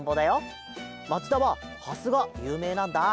まちだはハスがゆうめいなんだ。